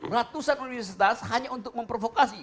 ratusan universitas hanya untuk memprovokasi